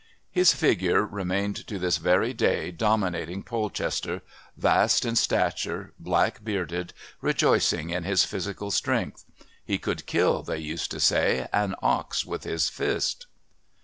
His figure remained to this very day dominating Polchester, vast in stature, black bearded, rejoicing in his physical strength. He could kill, they used to say, an ox with his fist....